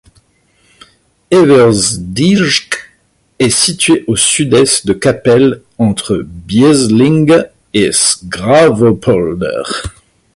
Eversdijk est situé au sud-est de Kapelle, entre Biezelinge et 's-Gravenpolder.